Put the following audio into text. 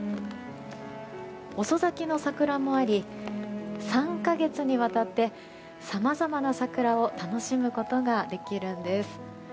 遅咲きの桜もあり３か月にわたってさまざまな桜を楽しむことができるんです。